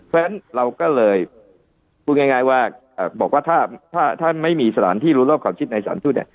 เพราะฉะนั้นเราก็เลยพูดง่ายว่าถ้าไม่มีสถานที่รู้รอบความชิดในสถานที่อื่น